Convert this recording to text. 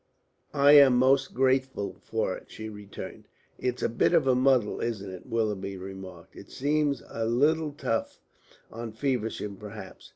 "I am most grateful for it," she returned. "It's a bit of a muddle, isn't it?" Willoughby remarked. "It seems a little rough on Feversham perhaps.